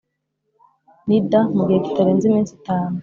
Nida mu gihe kitarenze iminsi itanu